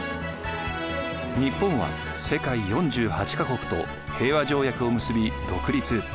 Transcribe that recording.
日本は世界４８か国と平和条約を結び独立。